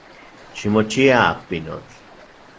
Ximochia, pinotl.